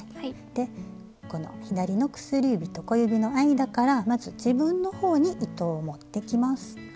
でこの左の薬指と小指の間からまず自分の方に糸を持ってきます。